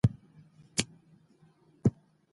یوه ډله ځوانان نښتر لوبډله کې لوبیږي